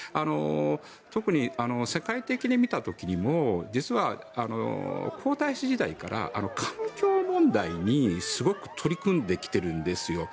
特に世界的に見た時にも実は皇太子時代から環境問題にすごく取り組んできているんですよ。